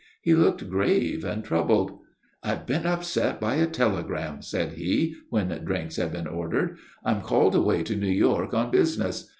He looked grave and troubled. "I've been upset by a telegram," said he, when drinks had been ordered. "I'm called away to New York on business.